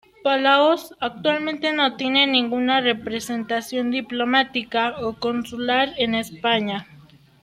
Palaos actualmente no tiene ninguna representación diplomática o consular en España.